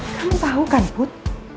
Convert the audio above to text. kamu tahu kan put